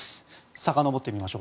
さかのぼってみましょう。